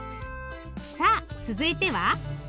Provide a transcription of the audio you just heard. さあ続いては。